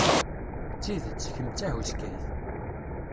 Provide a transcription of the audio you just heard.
D tidet, kemm d tahuskayt.